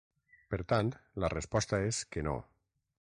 Per tant, la resposta és que no.